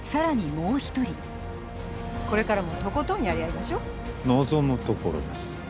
もう一人これからもとことんやり合いましょ望むところです